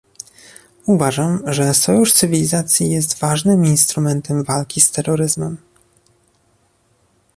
Uważam, że sojusz cywilizacji jest ważnym instrumentem walki z terroryzmem